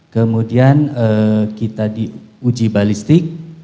kemudian kita diuji balistik